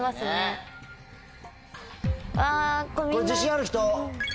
これ自信ある人。